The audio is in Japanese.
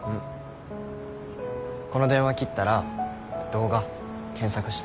この電話切ったら動画検索して。